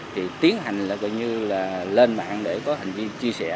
thì tiến hành là gọi như là lên mạng để có hành vi chia sẻ